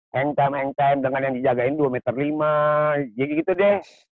hang time hang time dengan yang dijagain dua meter lima jadi gitu deh